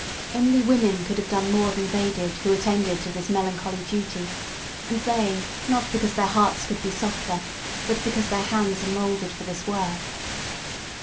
Only women could have done more than they did who attended to this melancholy duty; and they, not because their hearts could be softer, but because their hands are moulded for this work.